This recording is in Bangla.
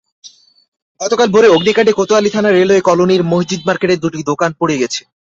গতকাল ভোরে অগ্নিকাণ্ডে কোতোয়ালি থানার রেলওয়ে কলোনি মসজিদ মার্কেটের দুটি দোকান পুড়ে গেছে।